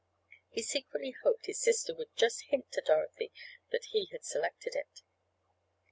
He secretly hoped his sister would just hint to Dorothy that he had selected it.